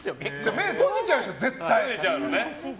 目を閉じちゃうでしょ、絶対。